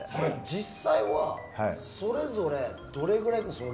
実際はそれぞれどれくらいなんですか。